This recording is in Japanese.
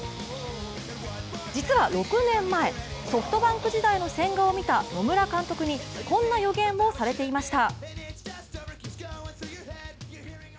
実は６年前、ソフトバンク時代の千賀を見た野村監督にこんな予言をされていました。